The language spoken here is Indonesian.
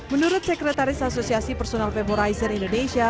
menurut sekretaris asosiasi personal favorizer indonesia